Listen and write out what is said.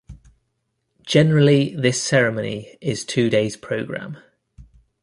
Generally this ceremony is two days programme.